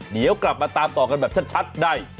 เดี๋ยวกลับมาตามต่อกันแบบชัดได้